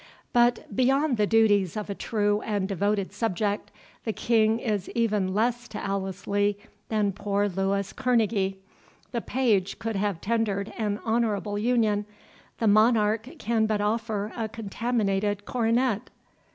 But beyond the duties of a true and devoted subject, the King is even less to Alice Lee than poor Louis Kerneguy. The Page could have tendered an honourable union—the Monarch can but offer a contaminated coronet."